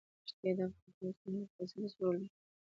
ښتې د افغانستان د ټولنې لپاره بنسټيز رول لري.